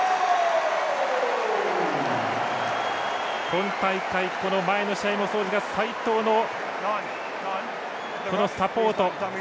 今大会、前の試合もそうですが齋藤のサポート。